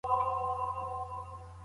علمي حقايق بايد ومنل سي.